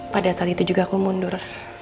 pada saat itu juga aku mundur